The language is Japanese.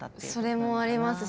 それもありますし。